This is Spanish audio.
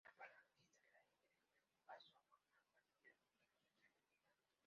Un falangista le identificó y pasó a formar parte de los numerosos detenidos.